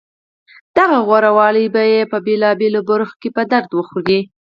دغه غورهوالی به یې په بېلابېلو برخو کې په درد وخوري